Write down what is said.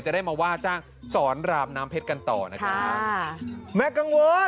จะได้มาว่าจ้างสอนรามน้ำเพชรกันต่อนะคะ